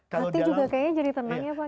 hati juga kayaknya jadi tenang ya pak